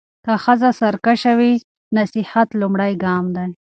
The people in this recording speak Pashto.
که ښځه سرکشه وي، نصيحت لومړی ګام دی.